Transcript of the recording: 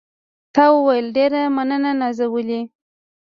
تا وویل: ډېره مننه نازولې.